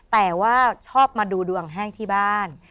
แต่ว่าชอบมาดูดวงแห้งที่บ้าน